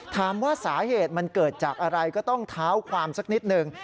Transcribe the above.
ถามว่าสาเหตุมันเกิดจากอะไรก็ต้องเท้าความสักนิดหนึ่ง